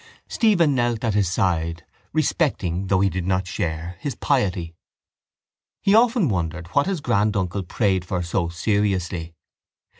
Stephen knelt at his side respecting, though he did not share, his piety. He often wondered what his granduncle prayed for so seriously.